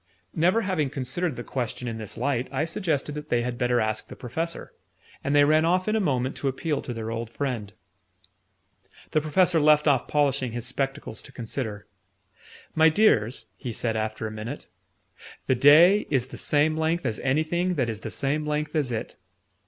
Never having considered the question in this light, I suggested that they had better ask the Professor; and they ran off in a moment to appeal to their old friend. The Professor left off polishing his spectacles to consider. "My dears," he said after a minute, "the day is the same length as anything that is the same length as it."